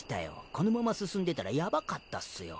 このまま進んでたらヤバかったっすよ。